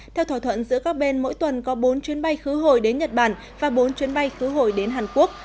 theo thỏa thuận giữa các bên mỗi tuần có bốn chuyến bay khứ hồi đến nhật bản và bốn chuyến bay khứ hồi đến hàn quốc